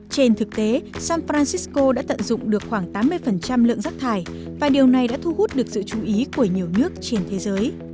trên thực tế san francisco đã tận dụng được khoảng tám mươi lượng rác thải và điều này đã thu hút được sự chú ý của nhiều nước trên thế giới